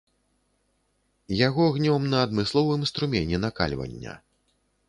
Яго гнём на адмысловым струмені накальвання.